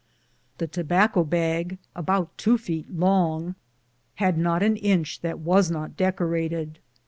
The tobacco bag, about two feet long, had not an inch that was not decorated.